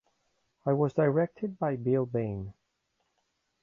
It was directed by Bill Bain.